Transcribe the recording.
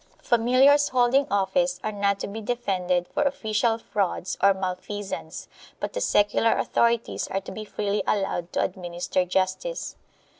Familiars holding office are not to be defended for official frauds or malfeasance, Ibut the secular authorities are to be freely allowed to administer justice.